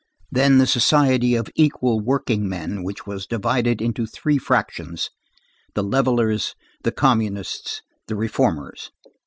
Then the Society of Equal Workingmen which was divided into three fractions, the levellers, the communists, the reformers.